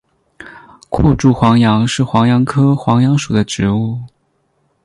阔柱黄杨是黄杨科黄杨属的植物。